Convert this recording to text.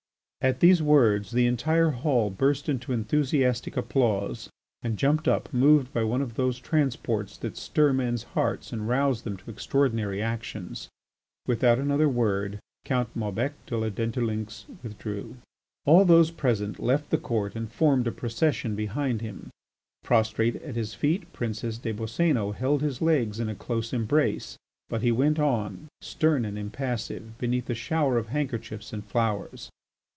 At these words the entire hall burst into enthusiastic applause and jumped up, moved by one of those transports that stir men's hearts and rouse them to extraordinary actions. Without another word Count Maubec de la Dentdulynx withdrew. All those present left the Court and formed a procession behind him. Prostrate at his feet, Princess des Boscénos held his legs in a close embrace, but he went on, stern and impassive, beneath a shower of handkerchiefs and flowers.